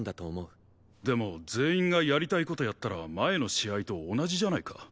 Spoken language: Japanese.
でも全員がやりたい事やったら前の試合と同じじゃないか？